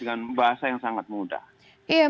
dengan bahasa yang sangat mudah